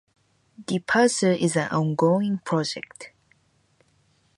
The parser is an ongoing project.